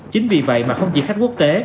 chính vì vậy mà không chỉ khách quốc tế